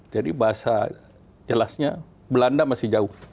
jadi bahasa jelasnya belanda masih jauh